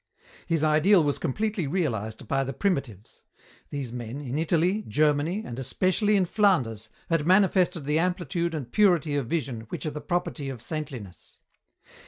His ideal was completely realized by the Primitives. These men, in Italy, Germany, and especially in Flanders, had manifested the amplitude and purity of vision which are the property of saintliness.